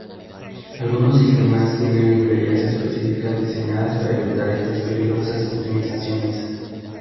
Algunos sistemas tienen librerías específicas diseñadas para evitar estas peligrosas optimizaciones.